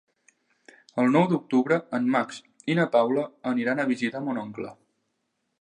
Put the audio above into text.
El nou d'octubre en Max i na Paula aniran a visitar mon oncle.